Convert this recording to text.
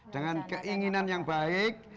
dengan keinginan yang baik